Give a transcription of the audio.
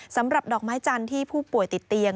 สำหรับดอกไม้จันทร์ที่ผู้ป่วยติดเตียง